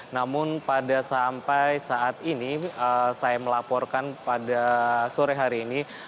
namun pada sampai saat ini saya melaporkan pada sore hari ini